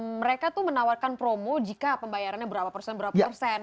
mereka tuh menawarkan promo jika pembayarannya berapa persen berapa persen